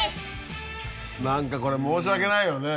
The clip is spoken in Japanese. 何かこれ申し訳ないよね。